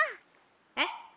「えっ？」。